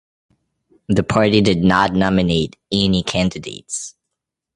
The party did not nominate any candidates.